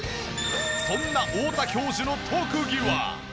そんな太田教授の特技は。